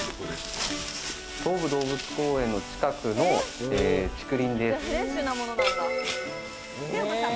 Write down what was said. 東武動物公園の近くの竹林です。